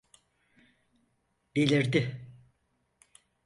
Delirdi!